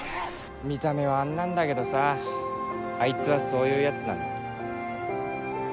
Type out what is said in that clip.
見た目はあんなんだけどさあいつはそういうヤツなんだ。